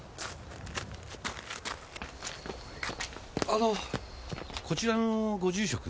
あのこちらのご住職？